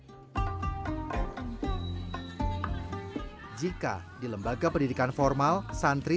mendapatkan bekas pendidikan yang baik maka mereka akan memiliki kekuatan yang baik